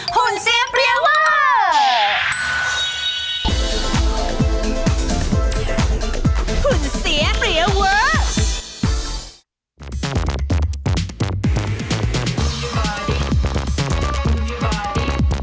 คุณเสียเปรี้ยเวอร์